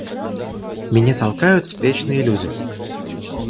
Меня толкают встречные люди.